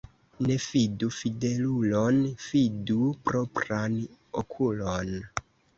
Ne fidu fidelulon, fidu propran okulon.